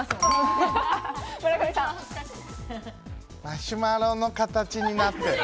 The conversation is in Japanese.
マシュマロの形になっている。